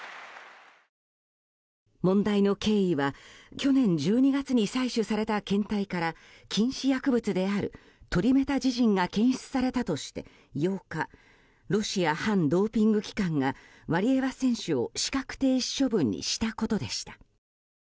問題の経緯は去年１２月に採取された検体から禁止薬物であるトリメタジジンが検出されたとして８日、ロシア反ドーピング機関がワリエワ選手を資格停止処分にしたことでした。